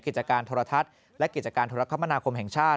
กิจการโทรทัศน์และกิจการธุรกรรมนาคมแห่งชาติ